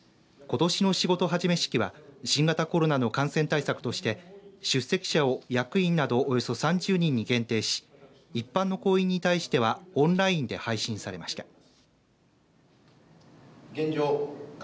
ことしの仕事始め式は新型コロナの感染対策として出席者を役員などおよそ３０人に限定し一般の行員に対してはオンラインで配信されました。